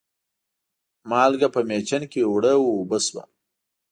مالګه په مېچن کې اوړه و اوبه شوه.